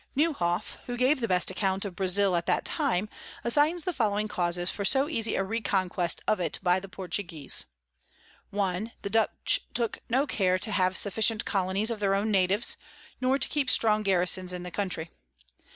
[Sidenote: Account of Brazile.] Newhoff, who gave the best Account of Brazile at that time, assigns the following Causes for so easy a Reconquest of it by the Portuguese: 1. The Dutch took no care to have sufficient Colonies of their own Natives, nor to keep strong Garisons in the Country.